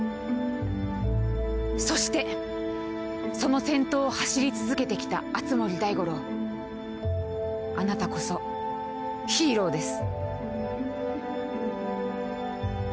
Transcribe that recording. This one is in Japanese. そしてその先頭を走り続けてきた熱護大五郎あなたこそヒーローです。